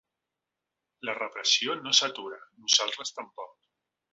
La repressió no s’atura, nosaltres tampoc.